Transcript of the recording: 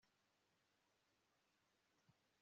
mugihe ukura, kureba bitangira guhinduka